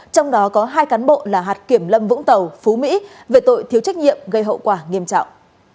trong đó có hai cán bộ là hạt kiểm lâm vũng tàu phú mỹ về tội thiếu trách nhiệm gây hậu quả nghiêm trọng